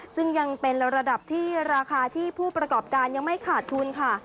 ซึ่งยังเป็นระดับที่ราคาที่ผู้ประกอบการยังไม่ขาดทุนค่ะ